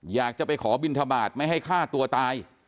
อยากจะไปขอบินทบาทไม่ให้ฆ่าตัวตาย